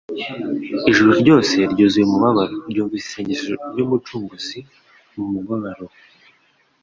Ijuru ryose ryuzuye umubabaro ryumvise isengesho ry'Umucunguzi mu mubabaro